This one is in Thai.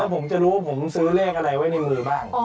ผมจะรู้ว่าผมซื้อเลขอะไรไว้ในมือบ้าง